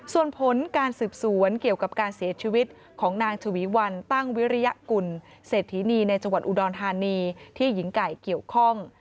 ส่วนผลการสืบสวนเกี่ยวกับการเสียชีวิตของนางฉวีวันตั้งวิริยกุลเศรษฐีนีในจังหวัดอุดรธานีที่หญิงไก่เกี่ยวข้อง